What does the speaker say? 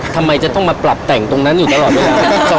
ทำไมจะต้องมาปรับแต่งตรงนั้นอยู่ตลอดเวลา